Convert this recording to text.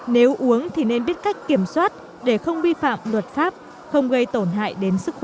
nếu uống thì nên biết cách kiểm soát để không vi phạm luật pháp không gây tổn hại đến sức khỏe